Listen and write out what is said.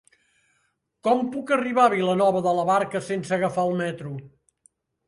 Com puc arribar a Vilanova de la Barca sense agafar el metro?